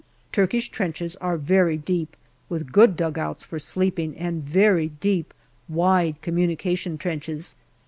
Turkish trenches are very deop, with good dugouts for sleeping and very deep, wide communication trenches.